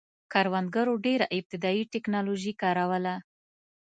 کروندګرو ډېره ابتدايي ټکنالوژي کاروله